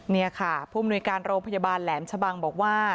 นี่ค่ะผู้มนุยการโรงพยาบาลแหลมชะบังบอกว่า